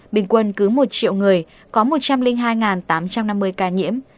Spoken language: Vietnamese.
bình quân cứ một triệu người có một trăm linh hai tám trăm năm mươi ca nhiễm